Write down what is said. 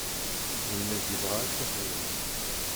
Yenna-d yebɣa ad t-yexdem.